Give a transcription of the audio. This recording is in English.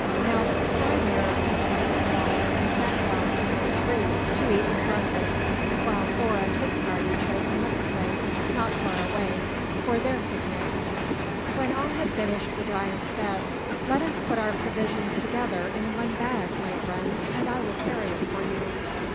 Now Skrymir untied his wallet and sat down under a tree to eat his breakfast, while Thor and his party chose another place, not far away, for their picnic. When all had finished, the giant said, "Let us put our provisions together in one bag, my friends, and I will carry it for you."